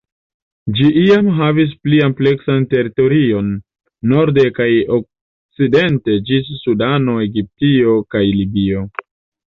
Ĝi iam havis pli ampleksan teritorion norde kaj okcidente ĝis Sudano, Egiptio, kaj Libio.